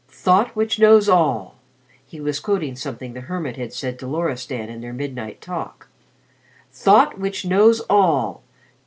'Thought which Knows All' " he was quoting something the hermit had said to Loristan in their midnight talk "Thought which Knows All!